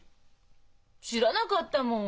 知らなかったもん！